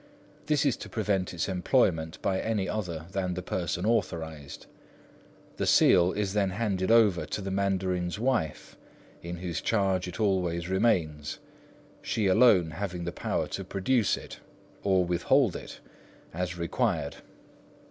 This is to prevent its employment by any other than the person authorised. The seal is then handed over to the mandarin's wife, in whose charge it always remains, she alone having the power to produce it, or withhold it, as required.